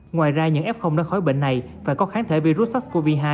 ngoài ra những f đã khỏi bệnh này phải có kháng thể virus sars cov hai